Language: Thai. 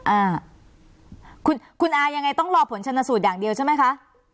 อ่าคุณคุณอายังไงต้องรอผลชนสูตรอย่างเดียวใช่ไหมคะ